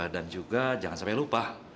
dan juga jangan sampai lupa